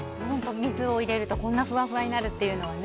水を入れるとこんなふわふわになるというね。